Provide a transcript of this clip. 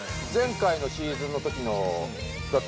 前回のシーズンの時の。